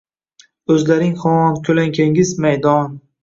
O`zlaring Xon ko`lankangiz maydon